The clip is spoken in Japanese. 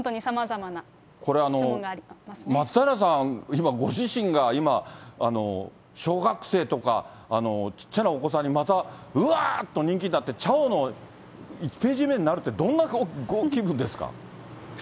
これ、松平さん、今、ご自身が今、小学生とか、ちっちゃなお子さんに今、うわーっと人気になって、ちゃおの１ページ目になるって、どんなご気分ですか。